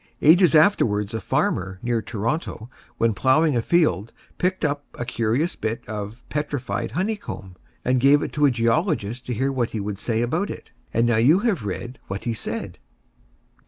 Ages afterwards a farmer, near Toronto, when ploughing a field, picked up a curious bit of "petrified honey comb," and gave it to a geologist to hear what he would say about it. And now you have read what he said.